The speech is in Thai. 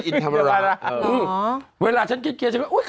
เออเวลาฉันเกล้แล้วก็